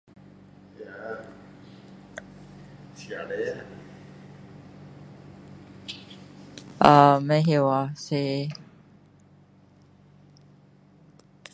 呃不懂哦是